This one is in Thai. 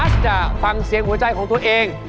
อสจะฟังเสียงหัวใจของชีวิตของล๕๙